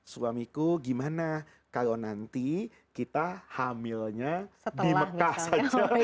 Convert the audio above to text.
suamiku gimana kalau nanti kita hamilnya di mekah saja